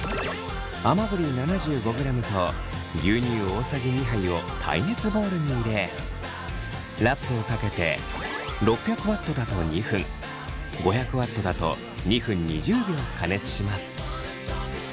甘栗７５ｇと牛乳大さじ２杯を耐熱ボウルに入れラップをかけて６００Ｗだと２分５００Ｗだと２分２０秒加熱します。